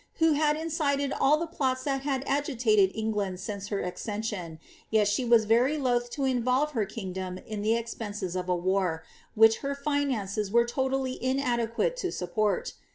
who had incited all the plots that had agitated England since her accession ; yet she was very loth to involve her kingdom in the expenses of a war, which her finances were toUilly inadequate to support.